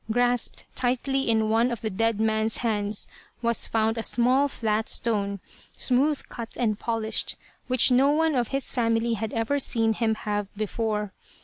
Grasped tightly in one of the dead man's hands was found a small flat stone, smooth cut and polished, which no one of his family had ever seen him have before.